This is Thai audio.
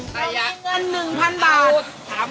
ต้องมีเงิน๑๐๐๐บาทครับ